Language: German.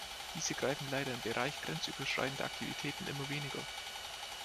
Diese greifen leider im Bereich grenzüberschreitender Aktivitäten immer weniger.